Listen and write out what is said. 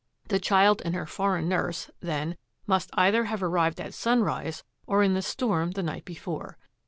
The child and her foreign nurse, then, must either have arrived at sunrise or in the storm the night be fore.